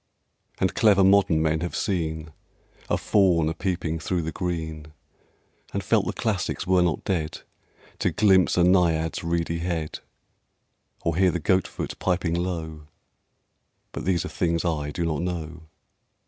And clever modern men have seen A Faun a peeping through the green, And felt the Classics were not dead, To glimpse a Naiad's reedy head, Or hear the Goat foot piping low:... But these are things I do not know.